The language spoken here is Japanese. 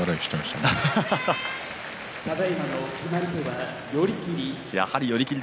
ただいまの決まり手は寄り切り。